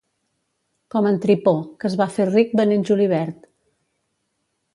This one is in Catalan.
Com en Tripó, que es va fer ric venent julivert.